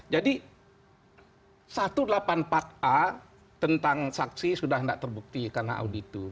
jadi satu ratus delapan puluh empat a tentang saksi sudah nggak terbukti karena auditur